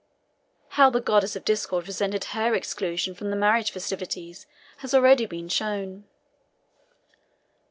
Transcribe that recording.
How the goddess of discord resented her exclusion from the marriage festivities has already been shown.